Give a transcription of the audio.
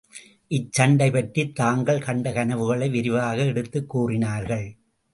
இச்சண்டை பற்றித் தாங்கள் கண்ட கனவுகளை விரிவாக எடுத்துக் கூறினார்கள்.